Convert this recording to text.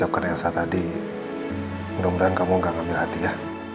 apapun yang diucapkan elsa tadi mudah mudahan kamu gak ngambil hati ya